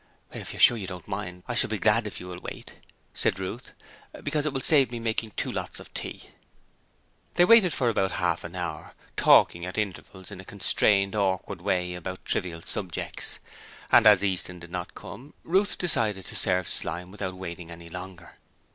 'If you're sure you don't mind, I shall be glad if you will wait,' said Ruth, 'because it will save me making two lots of tea.' They waited for about half an hour, talking at intervals in a constrained, awkward way about trivial subjects. Then as Easton did not come, Ruth decided to serve Slyme without waiting any longer.